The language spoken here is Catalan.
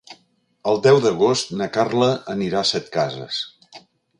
El deu d'agost na Carla anirà a Setcases.